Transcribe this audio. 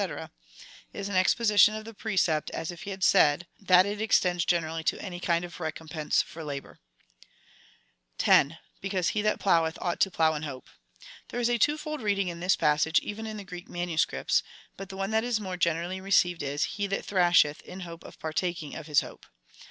is an exposition of the precept, as if he had said, that it extends generally to any kind of recompense for labour. 10. Because he that ploweth ought to plow in hope. There is a twofold reading in this passage, even in the Greek manu scripts, but the one that is more generally received is — He that thrasheth, in hope of partaking of his hope.